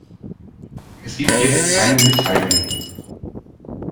Es gibt jetzt keine Mitteilung!